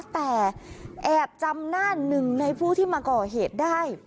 แต่แอบจำหน้าหนึ่งในผู้ที่มาก่อเหตุได้